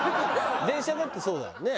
電車だってそうだよね。